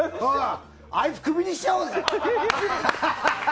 あいつクビにしてやろうぜ。